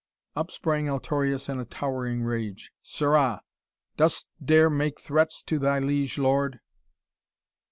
Up sprang Altorius in a towering rage. "Sirrah! Dost dare make threats to thy liege lord?"